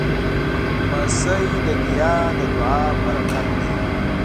لمسی د نیا د دعا پرکت دی.